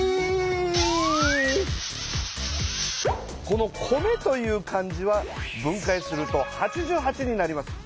この「米」という漢字は分かいすると「八十八」になります。